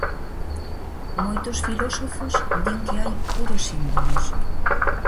Moitos filósofos din que hai "puros símbolos".